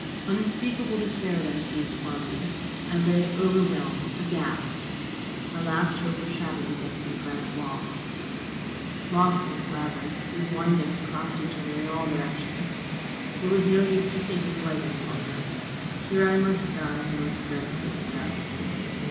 Unspeakable despair then seized upon me. I lay overwhelmed, aghast! My last hope was shattered against this granite wall. Lost in this labyrinth, whose windings crossed each other in all directions, it was no use to think of flight any longer. Here I must die the most dreadful of deaths.